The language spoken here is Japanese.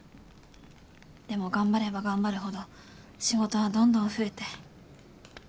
でも頑張れば頑張るほど仕事はどんどん増えて。